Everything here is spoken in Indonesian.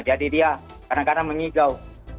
jadi dia kadang kadang mengigau